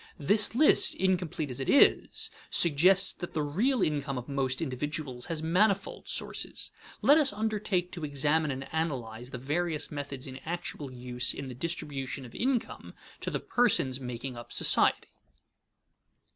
This list, incomplete as it is, suggests that the real income of most individuals has manifold sources. Let us undertake to examine and analyze the various methods in actual use in the distribution of income to the persons making up society.